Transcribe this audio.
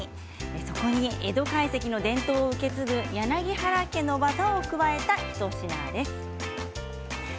そこに江戸懐石の伝統を受け継ぐ柳原家の技を加えた一品です。